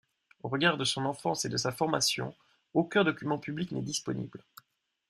Au regard de son enfance et de sa formation, aucun document public n'est disponible.